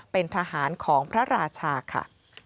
เป็นทหารของพระราชาค่ะ